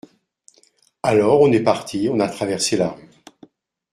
Alors on est partis, on a traversé la rue